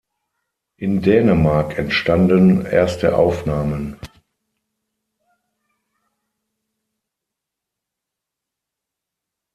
In Dänemark entstanden erste Aufnahmen.